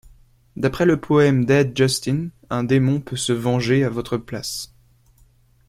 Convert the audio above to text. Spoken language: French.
D'après le poème d'Ed Justin, un démon peut se venger à votre place.